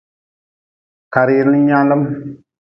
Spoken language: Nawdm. Ka rili nyaalm.